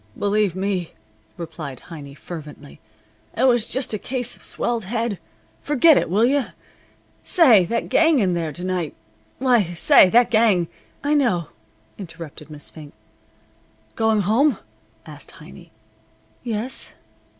"Believe me!" replied Heiny, fervently. "It was just a case of swelled head. Forget it, will you? Say, that gang in there to night why, say, that gang " "I know," interrupted Miss Fink. "Going home?" asked Heiny. "Yes."